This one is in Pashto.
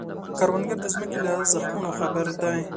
کروندګر د ځمکې له زخمونو خبر دی